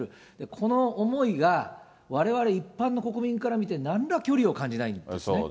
この思いが、われわれ一般の国民から見てなんら距離を感じないんですね。